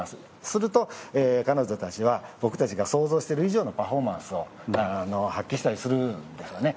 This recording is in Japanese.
すると、彼女たちは僕たちが想像している以上のパフォーマンスを発揮したりするんですよね。